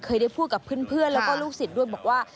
เคยได้พูดกับเพื่อนแล้วก็ลูกศิษย์ด้วยบอกว่า